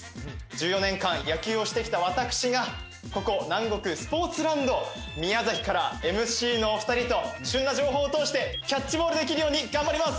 １４年間野球をしてきた私がここ南国スポーツランド宮崎からＭＣのお二人と旬な情報を通してキャッチボールできるように頑張ります